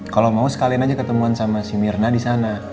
kalau mau sekalin aja ketemuan sama si mirna disana